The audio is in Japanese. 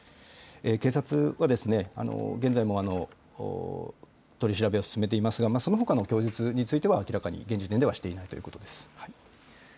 警察は、現在も取り調べを進めていますが、そのほかの供述については明らかに、現時点ではしていないということです。